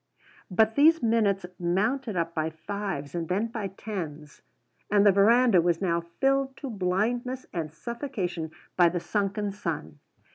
But these minutes mounted up by fives and then by tens. And the verandah was now filled to blindness and suffocation by the sunken sun.